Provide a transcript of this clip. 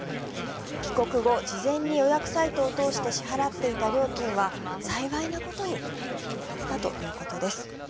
帰国後事前に予約サイトを通して支払っていた料金は幸いなことに返金されたということです。